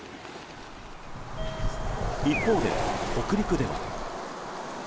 一方で北陸では。